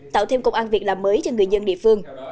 tạo thêm công an việc làm mới cho người dân địa phương